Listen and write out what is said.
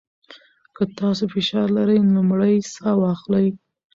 که تاسو فشار لرئ، لومړی ساه واخلئ.